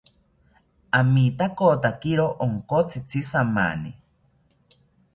Amitakotakiro onkotzitzi jamani